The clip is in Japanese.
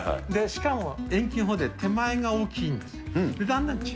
しかも遠近法で手前が大きいんです。